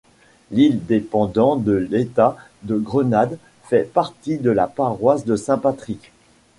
L'île dépendant de l'État de Grenade fait partie de la paroisse de Saint Patrick.